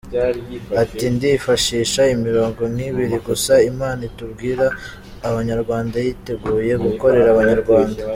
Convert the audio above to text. Ati “Ndifashisha imirongo nk’ibiri gusa Imana itubwira nk’Abanyarwanda yiteguye gukorera Abanyarwanda.